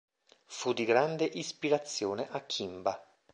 Fu di grande ispirazione a Kimba.